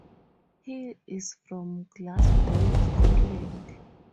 He is from Glasgow, Scotland.